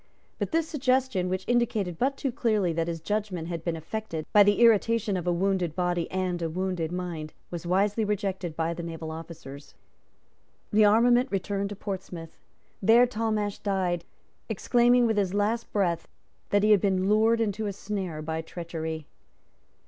But this suggestion, which indicated but too clearly that his judgment had been affected by the irritation of a wounded body and a wounded mind, was wisely rejected by the naval officers. The armament returned to Portsmouth. There Talmash died, exclaiming with his last breath that he had been lured into a snare by treachery.